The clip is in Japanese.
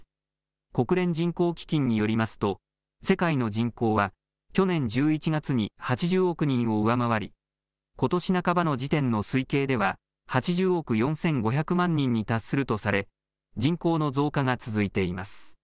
国連人口基金によりますと世界の人口は去年１１月に８０億人を上回りことし半ばの時点の推計では８０億４５００万人に達するとされ人口の増加が続いています。